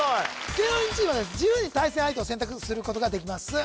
芸能人チームは自由に対戦相手を選択することができます